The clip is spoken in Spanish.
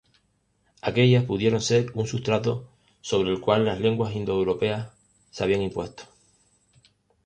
Aquellas pudieron ser un sustrato sobre el cual las lenguas indoeuropeas se habían impuesto.